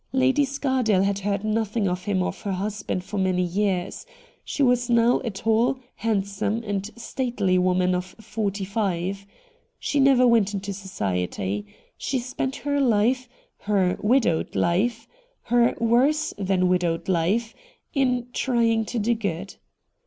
Lady Scardale had heard nothing of him or of her husband for many years. She was now a tall, handsome, and stately woman of forty five. She never went into society. She spent her life, her widowed hfe — her worse than widowed life — in trying to do good.